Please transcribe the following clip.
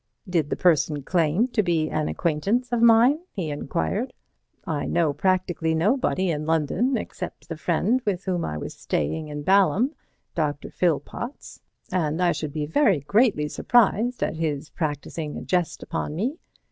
"Did the person claim to be an acquaintance of mine?" he enquired. "I know practically nobody in London, except the friend with whom I was staying in Balham, Dr. Philpots, and I should be very greatly surprised at his practising a jest upon me.